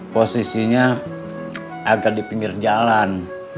posisinya agak di pinggir jalan